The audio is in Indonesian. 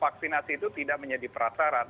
vaksinasi itu tidak menjadi prasarat